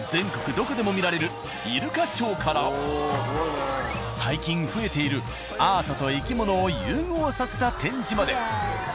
どこでも観られるイルカショーから最近増えているアートと生き物を融合させた展示まで。